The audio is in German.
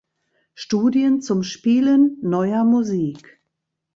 Studien zum Spielen Neuer Musik".